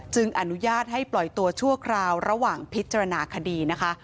อนุญาตให้ปล่อยตัวชั่วคราวระหว่างพิจารณาคดีนะคะ